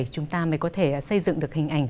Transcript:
chúng ta mới có thể xây dựng được hình ảnh